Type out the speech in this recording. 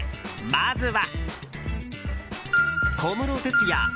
まずは。